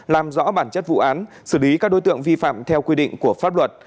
làm rõ bản chất vụ án xử lý các đối tượng vi phạm theo quy định của pháp luật